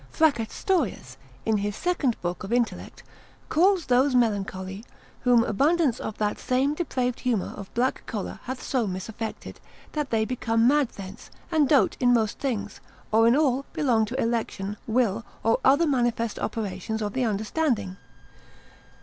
Fracastorius, in his second book of intellect, calls those melancholy, whom abundance of that same depraved humour of black choler hath so misaffected, that they become mad thence, and dote in most things, or in all, belonging to election, will, or other manifest operations of the understanding.